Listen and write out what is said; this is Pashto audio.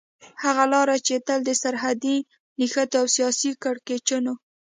هغه لارې چې تل د سرحدي نښتو او سياسي کړکېچونو